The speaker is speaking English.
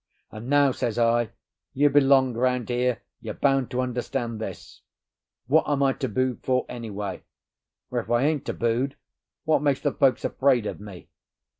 "And now," says I, "you belong round here, you're bound to understand this. What am I tabooed for, anyway? Or, if I ain't tabooed, what makes the folks afraid of me?"